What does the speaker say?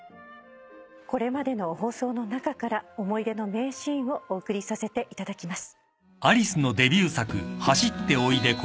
これまでの放送の中から思い出の名シーンをお送りさせていただきます。